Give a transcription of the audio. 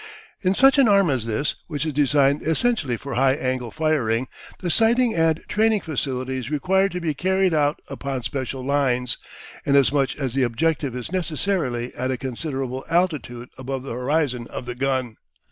In such an arm as this, which is designed essentially for high angle firing, the sighting and training facilities require to be carried out upon special lines, inasmuch as the objective is necessarily at a considerable altitude above the horizon of the gun.